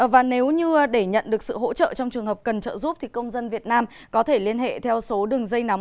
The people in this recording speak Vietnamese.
và nếu như để nhận được sự hỗ trợ trong trường hợp cần trợ giúp thì công dân việt nam có thể liên hệ theo số đường dây nóng